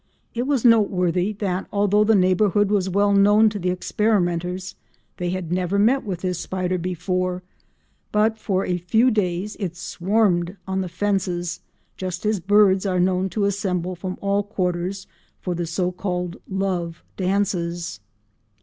It was noteworthy that although the neighbourhood was well known to the experimenters they had never met with this spider before, but for a few days it swarmed on the fences just as birds are known to assemble from all quarters for the so called "love dances."